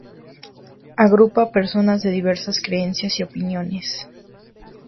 Agrupa a personas de diversas creencias y opiniones.